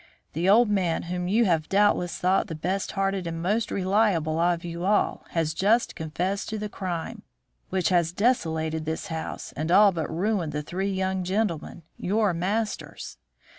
"The old man whom you have doubtless thought the best hearted and most reliable of you all has just confessed to the crime which has desolated this house and all but ruined the three young gentlemen, your masters.